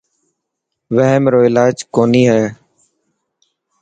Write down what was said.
وحم رو علاج ڪونه هي.